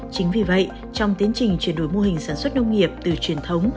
chính vì vậy trong tiến trình chuyển đổi mô hình sản xuất nông nghiệp từ truyền thống